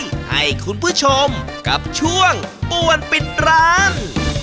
ให้คุณผู้ชมกับช่วงป่วนปิดร้าน